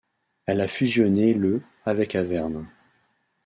Elle a fusionné le avec Avernes.